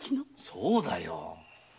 そうだよ。